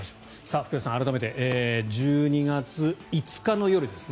福田さん、改めて１２月５日の夜ですね